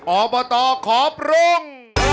ออเบรอตอขอปรุง